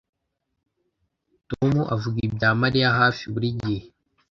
Tom avuga ibya Mariya hafi buri gihe